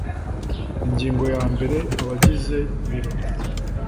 ingingo yambere abagize biro